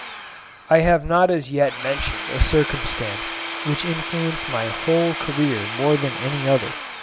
I have not as yet mentioned a circumstance which influenced my whole career more than any other.